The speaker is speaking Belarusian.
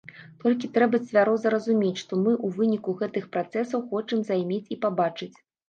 Толькі трэба цвяроза разумець, што мы ў выніку гэтых працэсаў хочам займець і пабачыць.